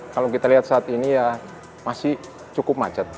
kalau kita lihat saat ini ya masih cukup macet